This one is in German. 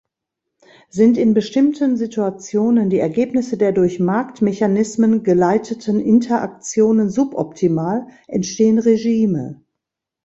Sind in bestimmten Situationen die Ergebnisse der durch Marktmechanismen geleiteten Interaktionen suboptimal, entstehen Regime.